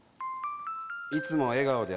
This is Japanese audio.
いつも笑顔で